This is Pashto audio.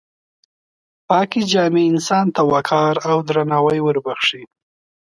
پاکې جامې انسان ته وقار او درناوی وربښي.